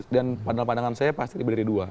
dan pandangan saya pasti lebih dari dua